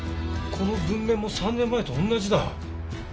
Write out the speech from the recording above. この文面も３年前と同じだ。